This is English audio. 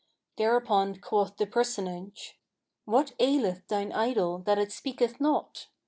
Thereupon quoth the Personage, 'What aileth thine idol that it speaketh not?'